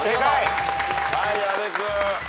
はい阿部君。